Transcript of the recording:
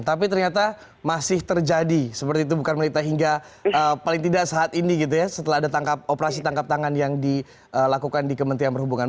tapi ternyata masih terjadi seperti itu bukan melita hingga paling tidak saat ini gitu ya setelah ada operasi tangkap tangan yang dilakukan di kementerian perhubungan